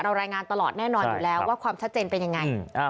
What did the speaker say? รายงานตลอดแน่นอนอยู่แล้วว่าความชัดเจนเป็นยังไง